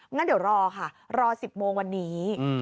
งั้นเดี๋ยวรอค่ะรอ๑๐โมงวันนี้